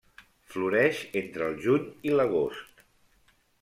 Floreix entre el juny i l'agost.